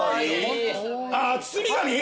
あっ包み紙？